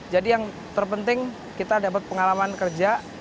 jadi yang terpenting kita dapat pengalaman kerja